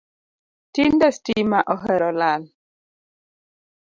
Tinde stima ohero lal